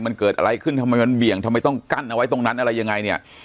มันเกิดอะไรขึ้นทำไมมันเบี่ยงทำไมต้องกั้นเอาไว้ตรงนั้นอะไรยังไงเนี่ย